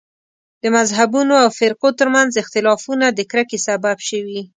د مذهبونو او فرقو تر منځ اختلافونه د کرکې سبب شوي.